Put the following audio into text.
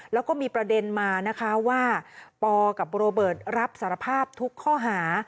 แล้วก็มีประเด็นมานะคะว่าปอกับโรเบิร์ตรับสารภาพทุกข้อหา